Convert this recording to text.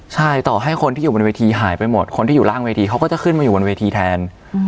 ใช่ต่อให้คนที่อยู่บนเวทีหายไปหมดคนที่อยู่ล่างเวทีเขาก็จะขึ้นมาอยู่บนเวทีแทน